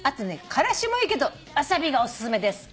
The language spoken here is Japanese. からしもいいけどワサビがおすすめです。